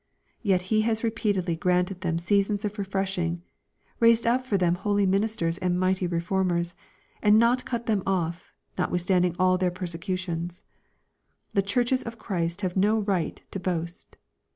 Yet He has repeatedly granted them seasons of refreshing, raised up for them holy ministers and mighty reformers, and not cut them off, notwithstanding all their persecutions. The churches of Christ have no right to Doast.